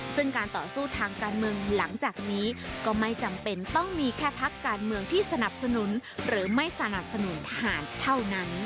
ซึ่งการต่อสู้ทางการเมืองหลังจากนี้ก็ไม่จำเป็นต้องมีแค่พักการเมืองที่สนับสนุนหรือไม่สนับสนุนทหารเท่านั้น